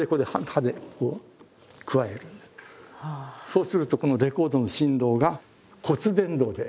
そうするとこのレコードの振動が骨伝導で。